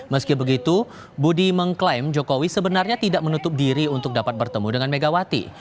meski begitu budi mengklaim jokowi sebenarnya tidak menutup diri untuk dapat bertemu dengan megawati